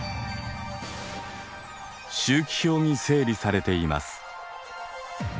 周期表に整理されています。